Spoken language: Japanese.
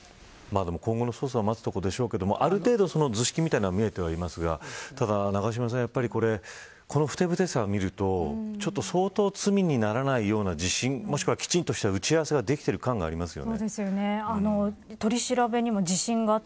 今後の捜査を待つところでしょうけどある程度、図式を見ていますが永島さん、やっぱりこのふてぶてしさを見ると相当、罪にならないような自信あるいは、きちっとした打ち合わせができている感がありますよね。